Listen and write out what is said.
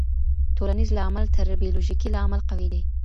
ټولنيز لامل تر بيولوژيکي لامل قوي دی.